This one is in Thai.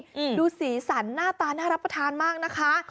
อืมดูสีสันหน้าตาน่ารับประทานมากนะคะ